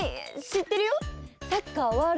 しってるよ。